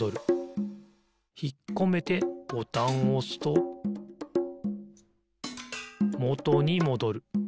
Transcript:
ひっこめてボタンをおすともとにもどる。